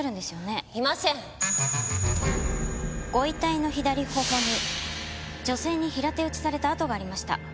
ご遺体の左頬に女性に平手打ちされた痕がありました。